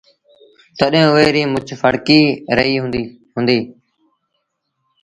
تڏهيݩ اُئي ريٚ مڇ ڦڙڪي رهيٚ هُݩدي۔